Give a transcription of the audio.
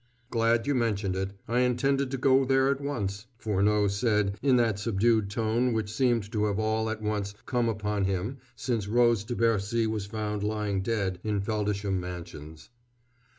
"Glad you mentioned it. I intended going there at once," Furneaux said in that subdued tone which seemed to have all at once come upon him since Rose de Bercy was found lying dead in Feldisham Mansions.